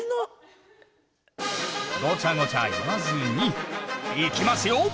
ごちゃごちゃ言わずにいきますよ。